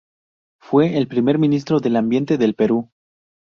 Fue el primer Ministro del Ambiente del Perú.